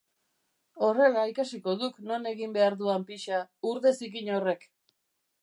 Horrela ikasiko duk non egin behar duan pixa, urde zikin horrek!